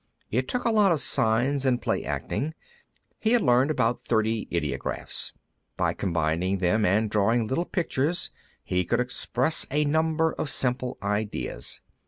It took a lot of signs and play acting. He had learned about thirty ideographs; by combining them and drawing little pictures, he could express a number of simple ideas.